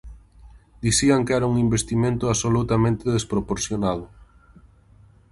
Dicían que era un investimento absolutamente desproporcionado.